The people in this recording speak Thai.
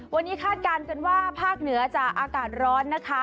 วันนี้คาดการณ์กันว่าภาคเหนือจะอากาศร้อนนะคะ